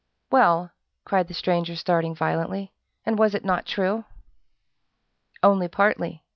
"Well," cried the stranger starting violently, "and was it not true?" "Only partly.